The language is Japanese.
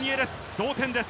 同点です。